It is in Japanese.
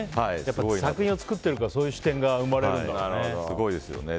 作品を作ってるとそういう視点が生まれるんだろうね。